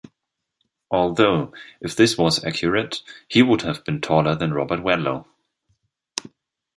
Although, if this was accurate, he would have been taller than Robert Wadlow.